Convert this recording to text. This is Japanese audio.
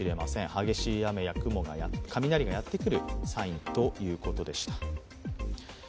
激しい雨や雷がやってくるサインということでした。